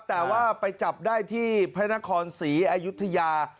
แต่ว่าไปจับได้ที่พระนครศรีอยุธยา